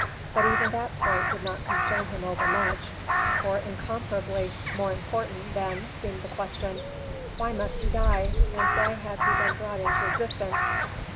But even that point did not concern him over much, for incomparably more important then seemed the question: Why must he die, and why had he been brought into existence?